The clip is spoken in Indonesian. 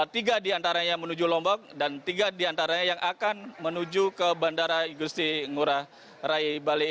tiga diantaranya menuju lombok dan tiga diantaranya yang akan menuju ke bandara igusti ngurah rai bali